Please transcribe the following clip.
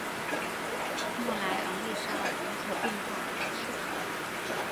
莫莱昂利沙尔人口变化图示